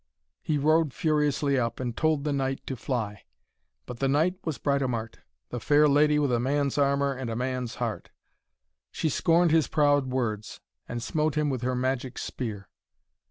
He rode furiously up, and told the knight to fly. But the knight was Britomart, the fair lady with a man's armour and a man's heart. She scorned his proud words, and smote him with her magic spear.